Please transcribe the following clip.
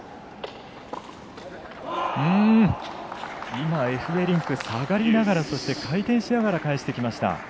今、エフベリンク下がりながら、回転しながら返してきました。